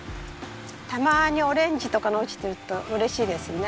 たまにオレンジとかの落ちてると嬉しいですね。